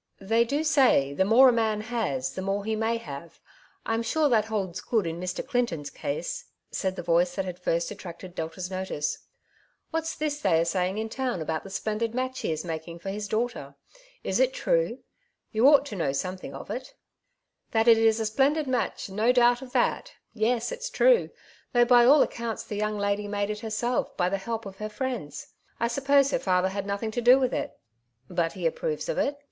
'' They do say, the more a man has, the more he may have — I'm sure that holds good in Mr. Clinton's case,'' said the voice that had first attracted Delta's notice. "What's this they are saying in town about the splendid match he is making for his daughter ? Is it true ? You ought to know some thing of it." '* That it is a splendid match, no doubt of that ; yes, it's tree, though by all accounts the young lady made it herself by the help of her friends. I suppose her father had nothinir to do with it." *' But he approves of it